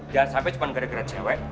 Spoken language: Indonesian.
jangan sampai cuma gara gara cewek